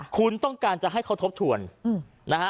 คุณต้องการจะให้เขาทบทวนนะฮะ